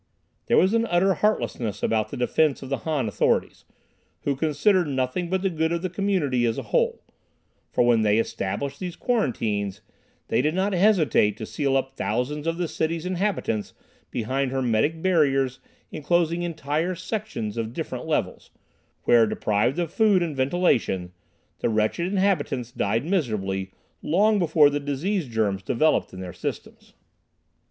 There was an utter heartlessness about the defense of the Han authorities, who considered nothing but the good of the community as a whole; for when they established these quarantines, they did not hesitate to seal up thousands of the city's inhabitants behind hermetic barriers enclosing entire sections of different levels, where deprived of food and ventilation, the wretched inhabitants died miserably, long before the disease germs developed in their systems.